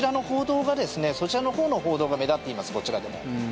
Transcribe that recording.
そちらのほうの報道が目立っています、こちらでも。